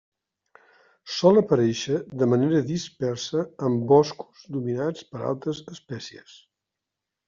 Sol aparèixer de manera dispersa en boscos dominats per altres espècies.